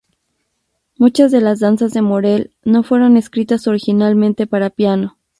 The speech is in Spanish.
Muchas de las danzas de Morel no fueron escritas originalmente para piano.